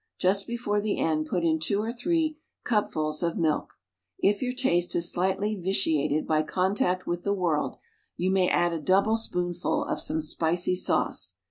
Just before the end put in two or three cupfuls of milk. If your taste is slightly vitiated by contact with the world you may add a double spoonful of some spicy sauce.